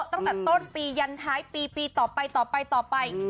ตั้งแต่ต้นปียันท้ายปีปีต่อไปต่อไป